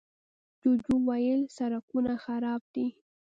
جوجو وويل، سړکونه خراب دي.